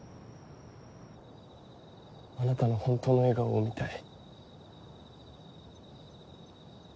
あなたの本当の笑顔を見たい。